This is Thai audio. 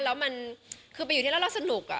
แล้วมันคือไปอยู่ที่แล้วเราสนุก